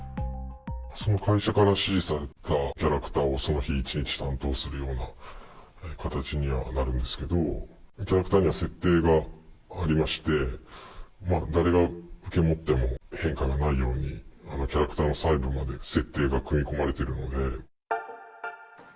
会社から指示されたキャラクターをその日一日担当するような形にはなるんですけど、キャラクターには設定がありまして、誰が受け持っても変化がないように、キャラクターの細部まで設定が組み込まれているので。